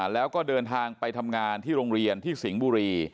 แล้วก็เดินทางไปทำงานที่โรงเรียนที่สิงห์บุรี